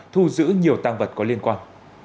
thu giữ nhiều tang vật có liên quan